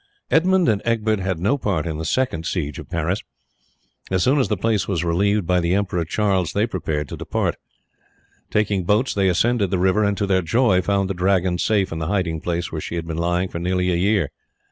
Edmund and Egbert had no part in the second siege of Paris. As soon as the place was relieved by the Emperor Charles they prepared to depart. Taking boats they ascended the river, and to their joy found the Dragon safe in the hiding place where she had been lying for nearly a year.